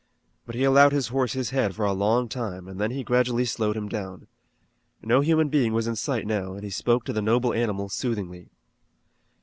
But he allowed his horse his head for a long time, and then he gradually slowed him down. No human being was in sight now and he spoke to the noble animal soothingly.